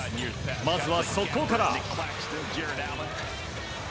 まずは速攻から。